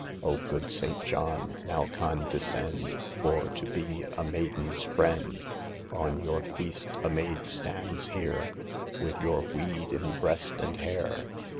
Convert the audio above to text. " O, good Saint John, now condescend For to be a maiden's friend. On your feast a maid stands here With your weed in breast and hair.